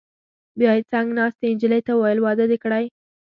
بیا یې څنګ ناستې نجلۍ ته وویل: واده دې کړی؟